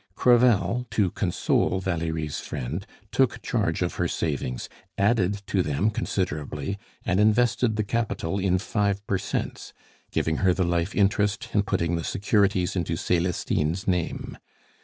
Crevel, to console Valerie's friend, took charge of her savings, added to them considerably, and invested the capital in five per cents, giving her the life interest, and putting the securities into Celestine's name.